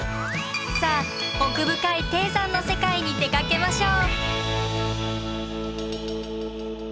さあ奥深い低山の世界に出かけましょう。